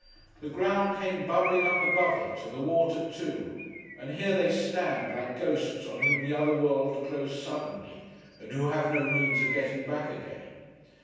The ground came bubbling up above it; and the water too; and here they stand, like ghosts on whom the other world closed suddenly, and who have no means of getting back again.